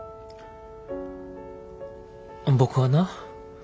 僕はな